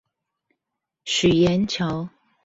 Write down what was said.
許顏橋